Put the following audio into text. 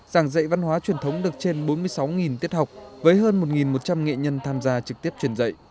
giảng dạy văn hóa truyền thống được trên bốn mươi sáu tiết học với hơn một một trăm linh nghệ nhân tham gia trực tiếp truyền dạy